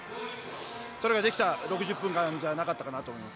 それができた６０分間じゃなかったかなと思います。